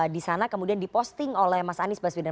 di sana kemudian diposting oleh mas anies baswedan